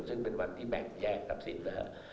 ซึ่งเป็นวันที่แบ่งแยกกับสิน